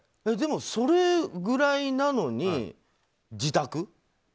でも、それくらいなのに自宅？